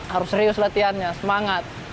harus serius latihannya semangat